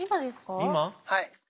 はい。